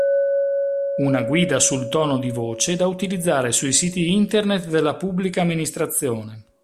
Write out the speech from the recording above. Una guida sul tono di voce da utilizzare sui siti internet della Pubblica Amministrazione.